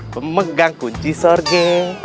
pemegang kunci sorge